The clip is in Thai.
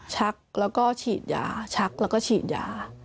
ชักแล้วก็ฉีดยาชักแล้วก็ฉีดยา